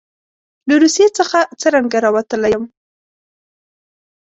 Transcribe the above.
له روسیې څخه څرنګه راوتلی یم.